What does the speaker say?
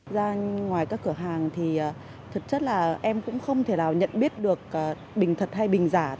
ra ngoài các cửa hàng thì thực chất là em cũng không thể nào nhận biết được bình thật hay bình giả